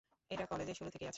এটা কলেজের শুরু থেকেই আছে।